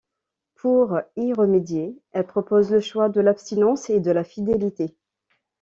Pour y remédier, elle propose le choix de l'abstinence et de la fidélité.